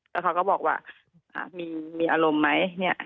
แล้วเขาก็บอกว่ามีอารมณ์ไหมเนี่ย